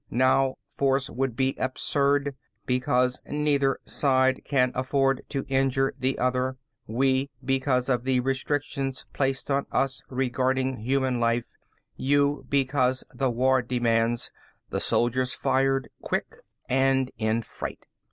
Now force would be absurd, because neither side can afford to injure the other; we, because of the restrictions placed on us regarding human life, you because the war demands " The soldiers fired, quick and in fright.